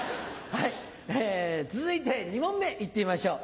続いて２問目いってみましょう。